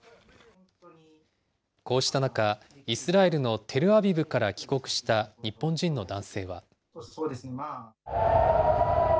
こうした中、イスラエルのテルアビブから帰国した日本人の男性は。